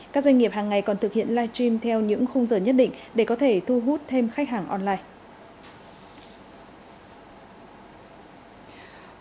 các doanh nghiệp hàng ngày còn thực hiện live stream theo những khung giờ nhất định để có thể thu hút thêm khách hàng online